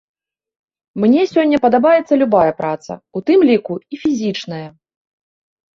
Мне сёння падабаецца любая праца, у тым ліку і фізічная.